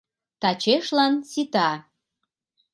Тачешлан сита.